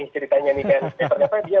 ceritanya nih dan ternyata dia